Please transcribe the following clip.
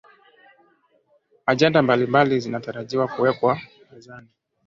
agenda mbalimbali zinatarajiwa kuwekwa mezani